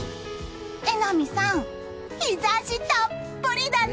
榎並さん、陽射したっぷりだね！